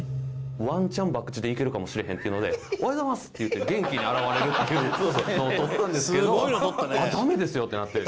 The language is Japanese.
ワンチャン博打でいけるかもしれへんっていうのでおはようございます！って言って元気に現れるっていうのを取ったんですけど「ダメですよ」ってなって。